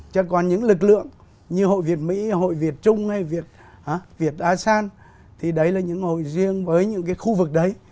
chứ còn những lực lượng như hội việt mỹ hội việt trung hay hội việt a san thì đấy là những hội riêng với những cái khu vực đấy